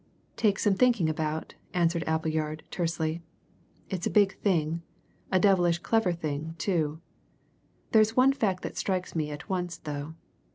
"Take some thinking about," answered Appleyard tersely. "It's a big thing a devilish clever thing, too. There's one fact strikes me at once, though.